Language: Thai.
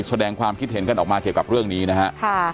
แสดงความคิดเห็นกันออกมาเกี่ยวกับเรื่องนี้นะฮะ